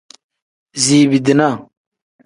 Ziibi-dinaa.